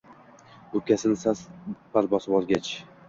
O‘pkasini sal-pal bosib olgach